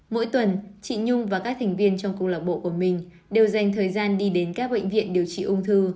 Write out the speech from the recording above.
mỗi tuần chị nhung và các thành viên trong câu lạc bộ của mình đều dành thời gian đi đến các bệnh viện điều trị ung thư